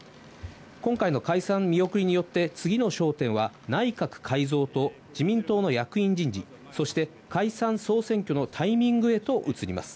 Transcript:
今回の解散見送りによって次の焦点は、内閣改造と自民党の役員人事、そして解散総選挙のタイミングへと移ります。